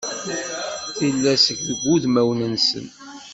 Tillas deg wudmawen-nsen.